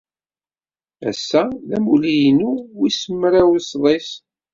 Ass-a d amulli-inu wis mraw sḍis.